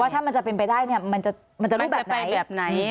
ว่าถ้ามันจะเป็นไปได้มันจะรูปแบบไหน